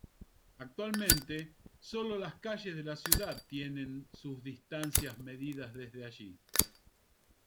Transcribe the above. Actualmente, sólo las calles de la ciudad tienen sus distancias medidas desde allí.